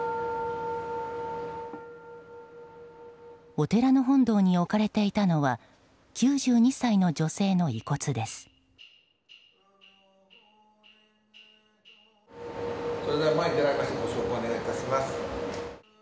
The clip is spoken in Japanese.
お寺の本堂に置かれていたのは９２歳の女性の遺骨です。